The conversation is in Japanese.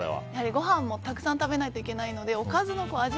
ごはんもたくさん食べないといけないのでおかずの味